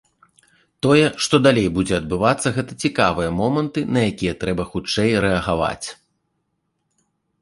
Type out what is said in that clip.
Тое, што далей будзе адбывацца, гэта цікавыя моманты, на якія трэба хутчэй рэагаваць.